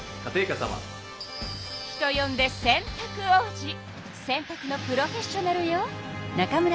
人よんで洗たく王子洗たくのプロフェッショナルよ。